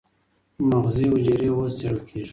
مغزي حجرې اوس څېړل کېږي.